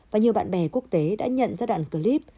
và nhiều bạn bè quốc tế đã nhận ra đoạn clip